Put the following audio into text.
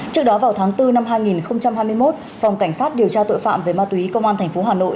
trước đó vào tháng bốn năm hai nghìn hai mươi một phòng cảnh sát điều tra tội phạm về ma túy công an tp hà nội